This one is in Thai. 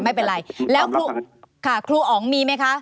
ไม่เป็นไรแล้วค่ะครูอ๋องมีไหมคะ